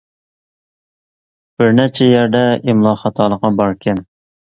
بىر نەچچە يەردە ئىملا خاتالىقى باركەن.